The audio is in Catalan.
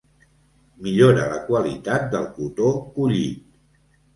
Millora la qualitat del cotó collit.